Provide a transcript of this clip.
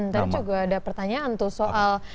tadi juga ada pertanyaan tuh soal